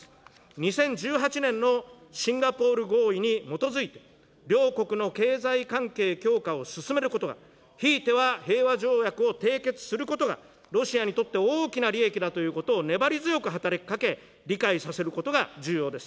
２０１８年のシンガポール合意に基づいて、両国の経済関係強化を進めることが、ひいては平和条約を締結することが、ロシアにとって大きな利益だということを粘り強く働きかけ、理解させることが重要です。